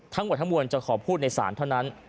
ทั้งหมดทั้งมวลจะขอพูดในศาลเท่านั้น